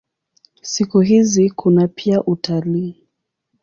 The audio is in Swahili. Siku hizi kuna pia utalii.